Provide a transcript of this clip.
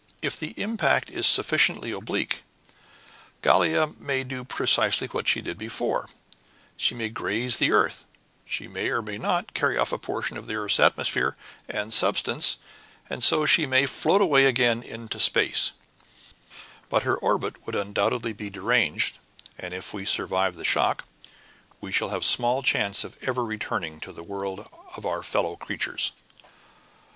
If the impact is sufficiently oblique, Gallia may do precisely what she did before: she may graze the earth; she may, or she may not, carry off a portion of the earth's atmosphere and substance, and so she may float away again into space; but her orbit would undoubtedly be deranged, and if we survive the shock, we shall have small chance of ever returning to the world of our fellow creatures."